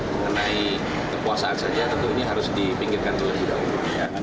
mengenai kekuasaan saja tentunya harus dipinggirkan oleh bidang umum